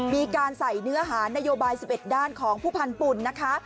มีการใส่เนื้อหานโยบาย๑๑ด้านของผู้พันธุ์นะคะ